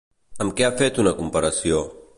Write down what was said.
Amb què ha fet una comparació?